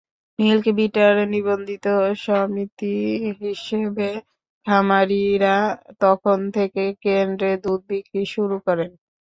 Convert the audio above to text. মিল্কভিটার নিবন্ধিত সমিতি হিসেবে খামারিরা তখন থেকে কেন্দ্রে দুধ বিক্রি শুরু করেন।